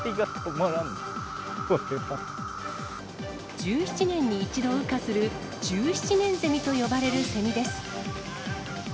１７年に一度羽化する、１７年ゼミと呼ばれるセミです。